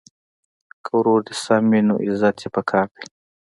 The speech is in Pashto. که ورور دي سم وي نو عزت یې په کار دی.